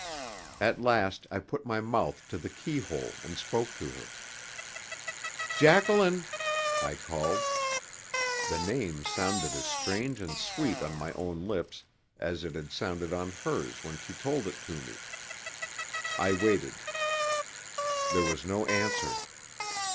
At last I put my mouth to the keyhole and spoke to her. "Jacqueline," I called. The name sounded as strange and sweet on my own lips as it had sounded on hers when she told it to me. I waited. There was no answer.